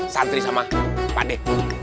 santri sama pak de